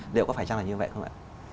điều có phải chăng là như vậy không ạ